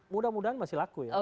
mudah mudahan masih laku ya